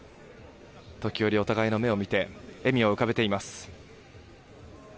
時折お互いの目を見て笑みを浮かべています。